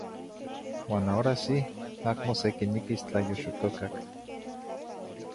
Uan ahora sí acmo sequiniquis tla yoxococac.